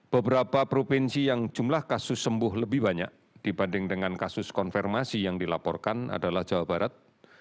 beberapa provinsi yang jumlah kasus sembuh lebih banyak dibanding dengan kasus konfirmasi yang dilaporkan adalah jawa barat